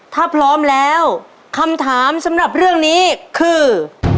ถ้าพร้อมแล้วคำถามสำหรับเรื่องนี้คือ